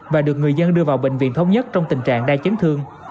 và được người dân đưa vào bệnh viện thống nhất trong tình trạng đa chấn thương